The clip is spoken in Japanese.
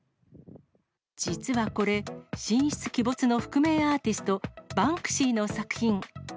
実はこれ、神出鬼没の覆面アーティスト、バンクシーの作品。